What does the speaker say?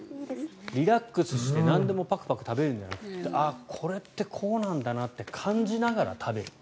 リラックスしてなんでもパクパク食べるんじゃなくてこれってこうなんだなって感じながら食べる。